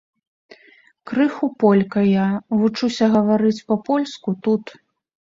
Крыху полька я, вучуся гаварыць па-польску тут.